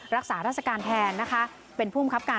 รักษาราศการแทนเป็นผู้มครับการ